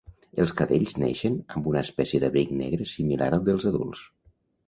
Els cadells neixen amb una espècie d'abric negre similar al dels adults.